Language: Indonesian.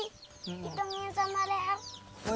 hidungnya sama leher